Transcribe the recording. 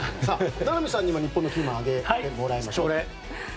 名波さんにも日本のキーマンを挙げてもらいましょう。